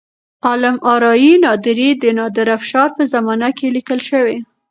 عالم آرای نادري د نادر افشار په زمانه کې لیکل شوی.